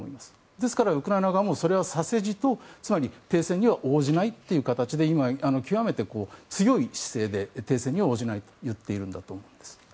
ですから、ウクライナ側もそれはさせじとつまり、停戦には応じないという形で今、極めて強い姿勢で停戦には応じないと言っているんだと思います。